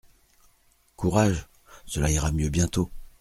«Courage !… cela ira mieux bientôt.